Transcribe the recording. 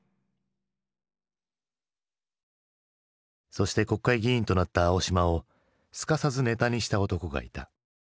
そして国会議員となった青島をすかさずネタにした男がいた。